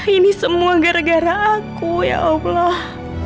ini semua gara gara aku ya allah